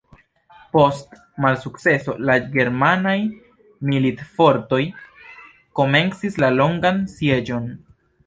Post malsukceso la germanaj militfortoj komencis la longan sieĝon.